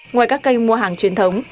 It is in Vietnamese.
ngoài các kênh mua hàng truyền thống